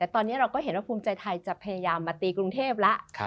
ตอนนี้เราก็เห็นว่าภูมิใจไทยจะพยายามมาตีกรุงเทพแล้ว